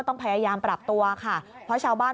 ต้องพยายามปรับตัวค่ะเพราะชาวบ้าน